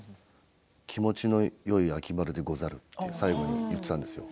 気持ちのよい秋晴れでござるって最後に言っていたんです。